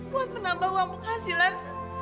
buat menambah uang penghasilan